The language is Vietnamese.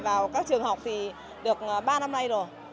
vào các trường học được ba năm nay rồi